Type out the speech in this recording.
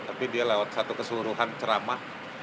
tapi dia lewat satu keseluruhan ceramah